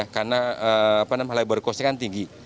karena halai barukosnya tinggi